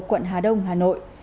quận hà đông hà nội